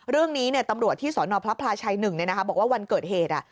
เรื่องนี้ตำรวจที่สนพระพลาชัย๑บอกว่าวันเกิดเหตุ